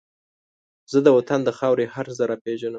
زه د وطن د خاورې هر زره پېژنم